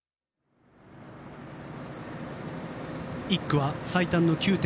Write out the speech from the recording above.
１区は最短の９．５ｋｍ。